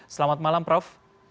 selamat malam prof